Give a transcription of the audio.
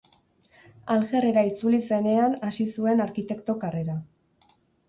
Aljer-era itzuli zenean hasi zuen arkitekto karrera.